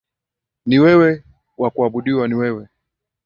Ni wewe wa kuabudiwa ni wewe.